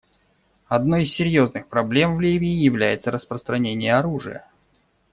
Одной из серьезных проблем в Ливии является распространение оружия.